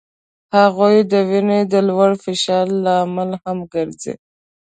هغوی د وینې د لوړ فشار لامل هم ګرځي.